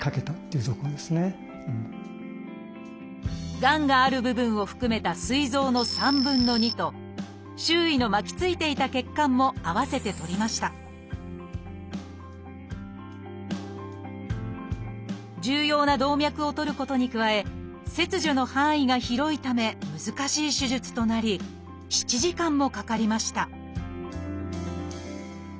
がんがある部分を含めたすい臓の３分の２と周囲の巻きついていた血管も併せて取りました重要な動脈を取ることに加え切除の範囲が広いため難しい手術となり７時間もかかりました